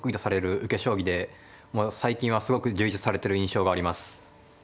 将棋で最近はすごく充実されてる印象があります。